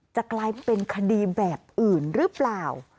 จะกลายเป็นคดีแบบอื่นหรือเปล่า